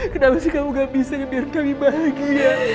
kenapa sih kamu gak bisa biar kami bahagia